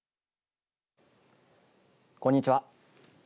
こんにちは。